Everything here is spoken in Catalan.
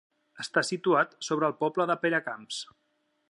Està situat sobre el poble de Peracamps.